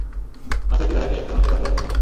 আর ছয়টি ভেড়াকেই একটি মাঠে কত ভাবে সাজানো সম্ভব?